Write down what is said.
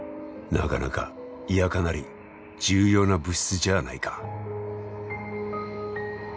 なかなかいやかなり重要な物質じゃないか。